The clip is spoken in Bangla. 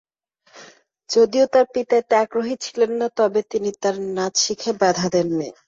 যদিও তার পিতা এতে আগ্রহী ছিলেন না, তবে তিনি তার নাচ শিখায় বাধা দেননি।